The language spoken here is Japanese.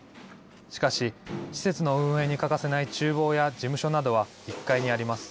しかし、施設の運営に欠かせないちゅう房や事務所などは１階にあります。